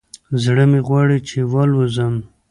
زړه مې غواړي چې والوزم